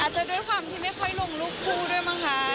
จะด้วยความที่ไม่ค่อยลงรูปคู่ด้วยมั้งคะ